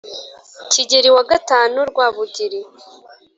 kigeli wa gatanu rwabugili